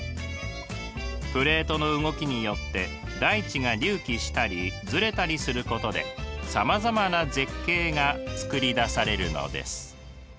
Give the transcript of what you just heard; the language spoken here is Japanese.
プレートの動きによって大地が隆起したりずれたりすることでさまざまな絶景がつくりだされるのです。